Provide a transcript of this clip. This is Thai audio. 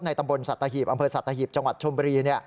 ตำบลสัตหีบอำเภอสัตหีบจังหวัดชมบุรี